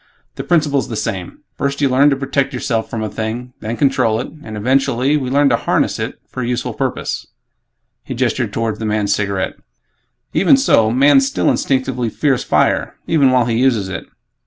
The principle's the same; First you learn to protect yourself from a thing; then control it; and, eventually, we learn to 'harness' it for a useful purpose." He gestured toward the man's cigarette, "Even so, man still instinctively fears fire even while he uses it.